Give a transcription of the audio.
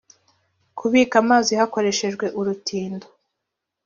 kubika amazi hakoreshejwe urutindo